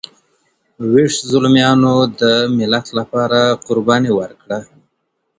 ويښ زلميانو د ملت لپاره قرباني ورکړه.